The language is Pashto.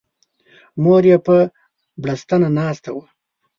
مور یې په بړستنه ناسته وه.